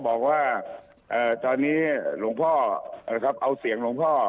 บอกว่าตอนนี้หลวงพ่อนะครับเอาเสียงหลวงพ่อ